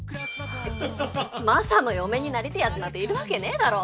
マサの嫁になりてえやつなんているわけねえだろ。